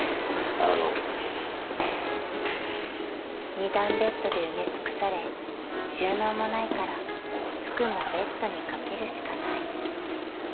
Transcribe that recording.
［２段ベッドで埋め尽くされ収納もないから服もベッドに掛けるしかない］